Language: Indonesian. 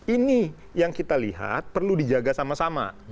ini yang kita lihat perlu dijaga sama sama